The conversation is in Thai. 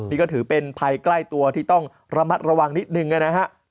นี่ก็ถือเป็นภัยใกล้ตัวที่ต้องระมัดระวังนิดนึงนะฮะ